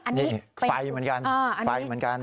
อันนี้เป็นไฟเหมือนกัน